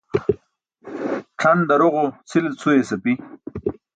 C̣ʰan daroġo cʰile cʰuyas api.